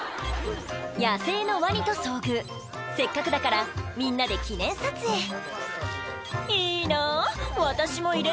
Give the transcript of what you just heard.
野生のワニと遭遇せっかくだからみんなで記念撮影「いいな私も入れて」